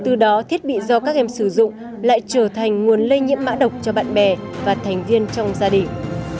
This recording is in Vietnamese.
từ đó thiết bị do các em sử dụng lại trở thành nguồn lây nhiễm mã độc cho bạn bè và thành viên trong gia đình